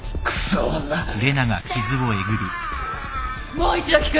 もう一度聞く。